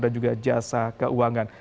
dan juga jasa keuangan